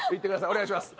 お願いします。